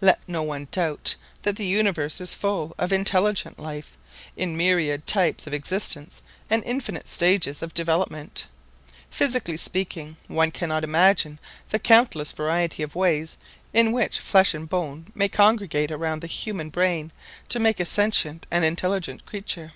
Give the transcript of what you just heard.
Let no one doubt that the universe is full of intelligent life, in myriad types of existence and infinite stages of development. Physically speaking, one cannot imagine the countless variety of ways in which flesh and bone may congregate around the human brain to make a sentient and intelligent creature.